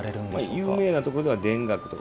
有名なところでは田楽とか。